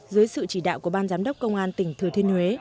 dưới sự chỉ đạo của ban giám đốc công an tỉnh thừa thiên huế